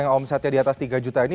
yang omsetnya di atas tiga juta ini